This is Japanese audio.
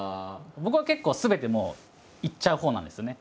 僕は結構すべてもういっちゃうほうなんですよね。